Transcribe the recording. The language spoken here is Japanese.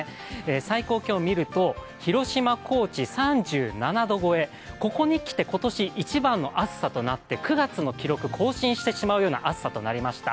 最高気温みると広島・高知３７度超え、ここにきて今年一番の暑さとなって９月の記録、更新してしまうような暑さとなってしまいました。